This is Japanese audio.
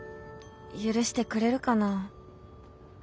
許してくれるかな。